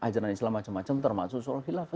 ajaran islam macam macam termasuk soal khilafah